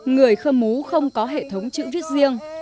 người khơ mú không có hệ thống chữ viết riêng